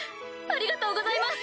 ありがとうございます！